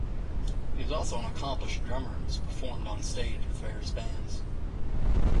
He is also an accomplished drummer and has performed on stage with various bands.